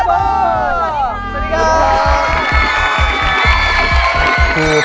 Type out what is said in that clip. สวัสดีค่ะ